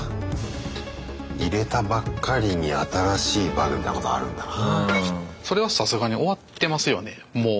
入れたばっかりに新しいバグみたいなことあるんだな。